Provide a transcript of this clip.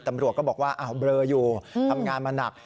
ตำรวจก็บอกว่าเบลออยู่ทำงานมาหนัก